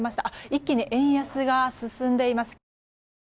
一気に円安が進んでいます。